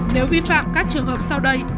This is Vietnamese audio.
nếu vi phạm các trường hợp sau đây